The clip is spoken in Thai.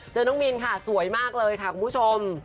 น้องมินค่ะสวยมากเลยค่ะคุณผู้ชม